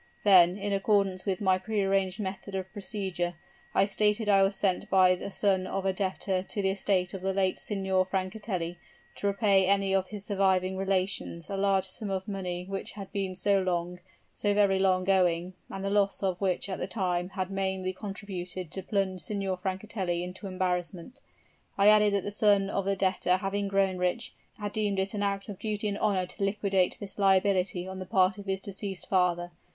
Then, in accordance with my pre arranged method of procedure, I stated I was sent by a son of a debtor to the estate of the late Signor Francatelli, to repay to any of his surviving relations a large sum of money which had been so long so very long owing, and the loss of which at the time had mainly contributed to plunge Signor Francatelli into embarrassment. I added that the son of the debtor having grown rich, had deemed it an act of duty and honor to liquidate this liability on the part of his deceased father.